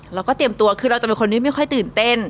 เราก็เตรียมตัวคือเราจะเป็นคนที่ไม่ค่อยตื่นเต้น